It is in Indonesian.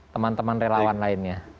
teman teman relawan lainnya